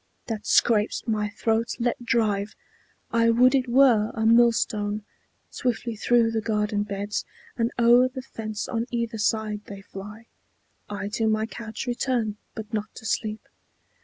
That scrapes my throat, let drive. I would it were A millstone! Swiftly through the garden beds And o'er the fence on either side they fly; I to my couch return, but not to sleep.